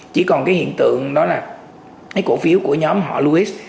chỉ còn cái hiện tượng đó là cái cổ phiếu của nhóm họ lois